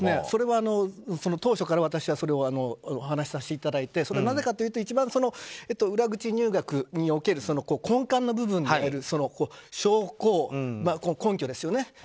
それは、当初から私はお話しさせていただいてなぜかというと一番、裏口入学における根幹の部分に当たる根拠ですよね。